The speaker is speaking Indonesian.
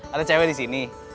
ada cewek disini